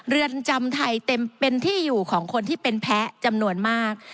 เรือนจำไทยเต็มเป็นที่อยู่ของคนที่เป็นแพ้จำนวนมาก